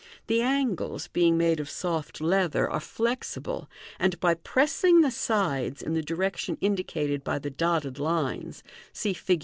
The angles, being made of soft leather, are flexible, and by pressing the ides in the direction indicated by the dotted lines (see Fig.